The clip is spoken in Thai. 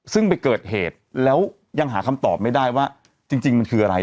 ซึ่งไปเกิดเหตุแล้วยังหาคำตอบไม่ได้ว่าจริงมันคืออะไร